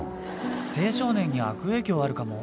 青少年に悪影響あるかも。